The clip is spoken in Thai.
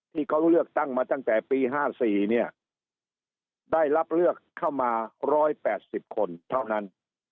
ที่เขาเลือกตั้งมาตั้งแต่ปี๕๔เนี่ยได้รับเลือกเข้ามา๑๘๐คนเท่านั้น